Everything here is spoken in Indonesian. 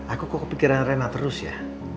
aku kok kepikiran rena terus ya